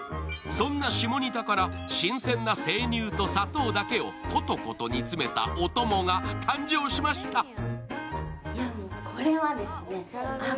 そんな下仁田から新鮮な生乳と砂糖だけをコトコトと煮詰めたお供が誕生しました。